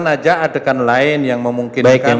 tunjukkan saja adegan lain yang memungkinkan